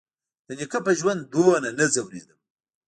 د نيکه په ژوند دومره نه ځورېدم.